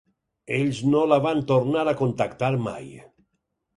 Ells no la van tornar a contactar mai.